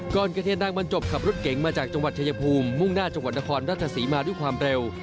กรเกษนดังมันจบขับรถเก๋งมาจากจังหวัดชายภูมิมุ่งหน้าจังหวัดนครราชสีมาด้วยความเร็ว